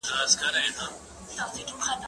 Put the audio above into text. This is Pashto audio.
ته ولي شګه پاکوې